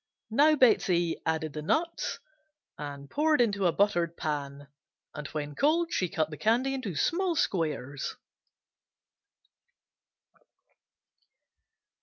Now Betsey added the nuts and poured into a buttered pan, and when cold she cut the candy into small squares.